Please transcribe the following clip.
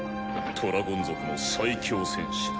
トラゴン族の最強戦士だ。